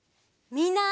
みんな。